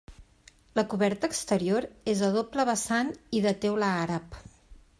La coberta exterior és a doble vessant i de teula àrab.